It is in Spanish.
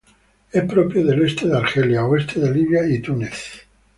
Es propio del este de Argelia, oeste de Libia y Túnez.